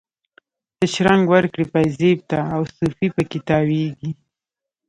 ته شرنګ ورکړي پایزیب ته، او صوفي په کې تاویږي